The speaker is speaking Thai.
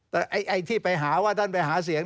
แต่ไอ้ที่ไปหาว่าท่านไปหาเสียง